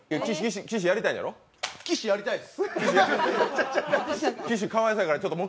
岸やりたいです。